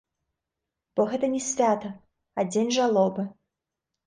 Бо гэта не свята, а дзень жалобы.